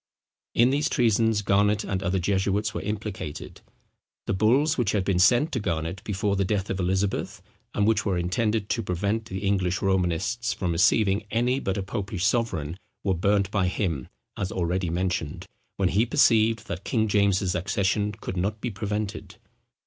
In these treasons Garnet and other jesuits were implicated. The bulls which had been sent to Garnet before the death of Elizabeth, and which were intended to prevent the English Romanists from receiving any but a popish sovereign, were burnt by him, as already mentioned, when he perceived that King James's accession could not be prevented.